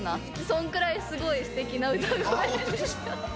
そんくらいすごいすてきな歌声でした。